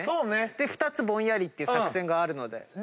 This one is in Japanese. ２つぼんやりっていう作戦があるので。